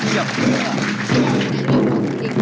อย่างเบื่อ